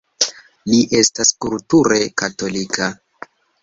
Li estas kulture katolika.